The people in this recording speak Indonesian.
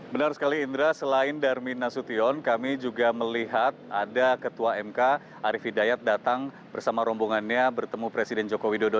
benar sekali indra selain darmin nasution kami juga melihat ada ketua mk arief hidayat datang bersama rombongannya bertemu presiden joko widodo